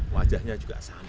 wajahnya juga sama